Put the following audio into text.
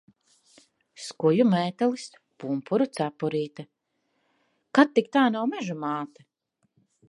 Skuju mētelis, pumpuru cepurīte. Kad tik tā nav Meža māte?